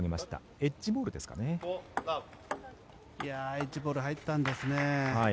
エッジボール入ったんですね。